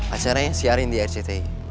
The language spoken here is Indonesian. acaranya siarin di rcti